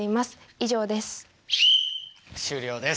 以上です。